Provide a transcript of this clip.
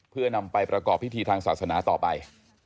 เพื่อนำไปประกอบพิธีทางศาสนาต่อไป